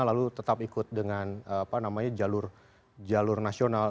lalu tetap ikut dengan apa namanya jalur jalur nasional